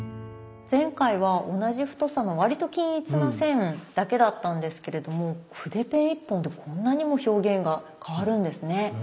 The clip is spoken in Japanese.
前回は同じ太さの割と均一な線だけだったんですけれども筆ペン一本でこんなにも表現が変わるんですね。